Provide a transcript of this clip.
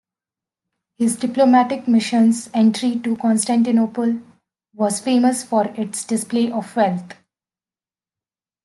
His diplomatic mission's entry to Constantinople was famous for its display of wealth.